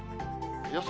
予想